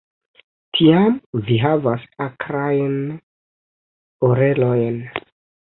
Tiam vi havas akrajn orelojn.